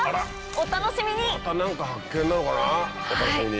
お楽しみに。